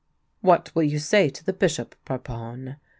" What will you say to the Bishop, Parpon